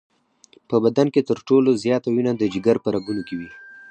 په بدن کې تر ټولو زیاته وینه د جگر په رګونو کې وي.